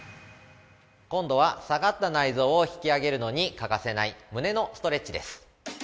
◆今度は、下がった内臓を引き上げるのに欠かせない胸のストレッチです。